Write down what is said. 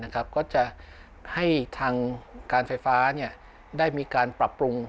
ก็จะให้ทางการไฟฟ้าได้มีการปรับปรุง